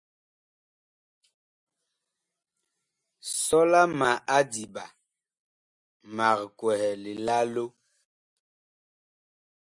Sɔla ma adiɓa, mag kwɛhɛ lilalo.